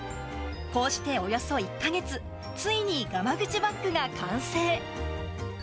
こうしておよそ１か月、ついにがまぐちバッグが完成。